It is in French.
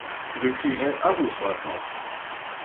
Je crierai haro sur la plante.